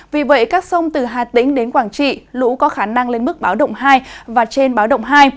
vì vậy các sông từ hà tĩnh đến quảng trị lũ có khả năng lên mức báo động hai và trên báo động hai